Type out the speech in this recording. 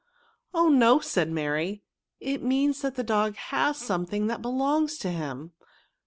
" Oh ! no," said Mary ;" it means that the dog has something that belongs to him.